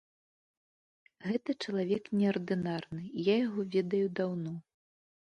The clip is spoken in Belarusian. Гэта чалавек неардынарны, я яго ведаю даўно.